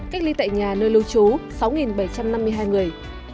cách ly tại nhà nơi lưu trú sáu bảy trăm năm mươi hai người